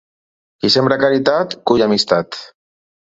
Qui sembra caritat, cull amistat.